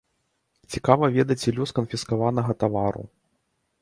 Цікава ведаць і лёс канфіскаванага тавару.